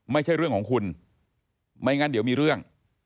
ไม่ใช่เรื่องของคุณไม่งั้นเดี๋ยวมีเรื่อง